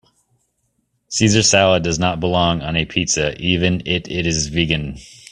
Caesar salad does not belong on a pizza even it it is vegan.